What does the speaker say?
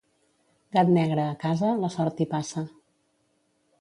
Gat negre a casa, la sort hi passa.